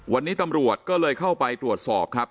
วันนี้ตำรวจก็เลยเข้าไปตรวจสอบครับ